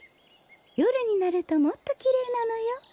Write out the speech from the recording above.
よるになるともっときれいなのよ。